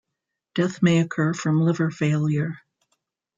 Death may occur from liver failure.